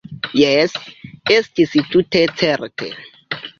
Jes, estis tute certe.